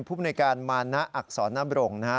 ภูมิในการมานะอักษรณบรง